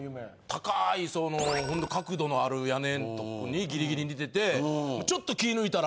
高いそのほんと角度のある屋根んとこにギリギリにいててちょっと気ぃ抜いたら。